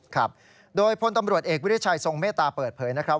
ครับโดยพลตำรวจเอกวิทยาชัยทรงเมตตาเปิดเผยนะครับ